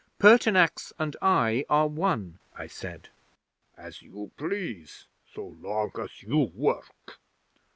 '"Pertinax and I are one," I said. '"As you please, so long as you work.